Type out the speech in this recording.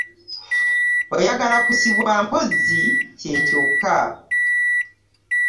Oyagala kusibwa mpozzi kye kyokka.